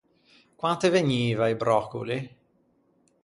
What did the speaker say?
Quante vegniva i bròccoli?